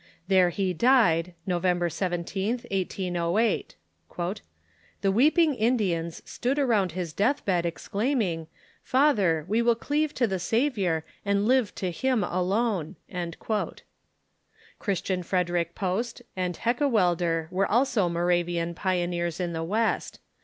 There he died, November 1 7th, 1808. "The weeping Indians stood around his death bed, exclaiming, ' Father, we will cleave to the Sav iour, and live to him alone !'" Christian Frederick Post and Heckewelder were also Moravian pioneers in the West.